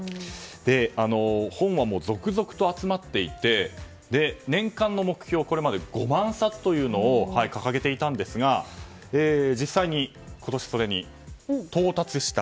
本は続々と集まっていて年間の目標は５万冊というのを掲げていたんですが実際に今年、それに到達した。